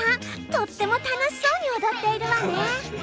とっても楽しそうに踊っているわね。